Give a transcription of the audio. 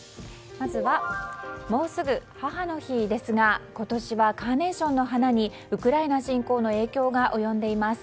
まずは、もうすぐ母の日ですが今年はカーネーションの花にウクライナ侵攻の影響が及んでいます。